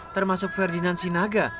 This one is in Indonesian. termasuk ferdinand sinaga